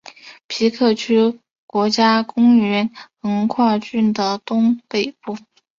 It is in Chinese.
皮克区国家公园横跨郡的东北部。